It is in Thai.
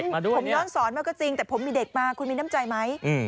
ผมย้อนสอนมาก็จริงแต่ผมมีเด็กมาคุณมีน้ำใจไหม